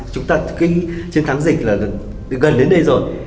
chúng ta chiến thắng dịch là gần đến đây rồi